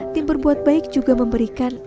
tim berbuat baik juga memberikan